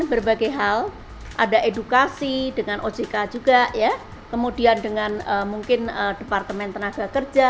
berbagai hal ada edukasi dengan ojk juga ya kemudian dengan mungkin departemen tenaga kerja